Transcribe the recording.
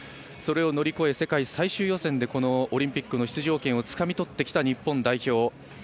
それを乗り越え世界最終予選でオリンピックの出場権をつかみとってきた日本代表。